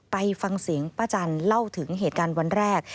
ไปฟังเสียงป้าจันทร์เล่าถึงเหตุการณ์วันแรก